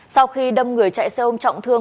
sau khi đâm người chạy xe ôm trọng thương